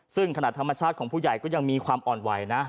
ซึ่งขณะธรรมชาติของผู้ใหญ่ก็ยังมีความอ่อนไหวนะ